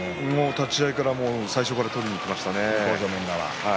立ち合いから取りにいきましたね。